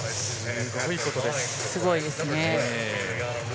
すごいですね。